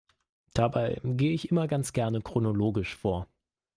Dabei gehe ich immer ganz gerne chronologisch vor.